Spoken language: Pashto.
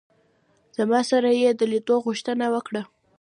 زما سره یې د لیدلو غوښتنه وکړه.